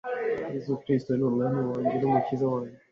Yesu Kristo ni Umwami wanjye n’Umukiza wanjye.